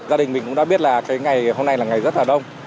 gia đình mình cũng đã biết là cái ngày hôm nay là ngày rất là đông